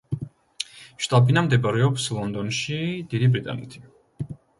შტაბ-ბინა მდებარეობს ლონდონში, დიდი ბრიტანეთი.